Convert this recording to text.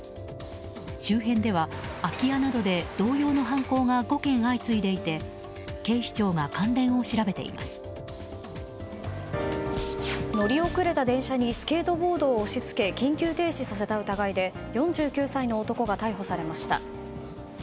周辺では空き家などで同様の被害が５件相次いでいて乗り遅れた電車にスケートボードを押し付け緊急停止させた疑いで４９歳の男が逮捕されました。